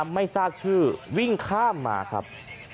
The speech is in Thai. ไม่ทราบชื่อวิ่งข้ามมาครับ